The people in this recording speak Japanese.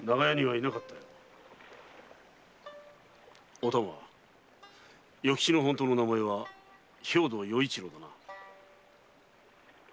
お玉与吉の本当の名前は兵藤与一郎だな？